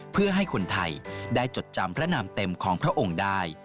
เพื่อให้คนไทยได้จดจำพระนามเต็มของพระองค์ได้